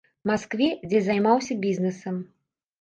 Маскве, дзе займаўся бізнэсам.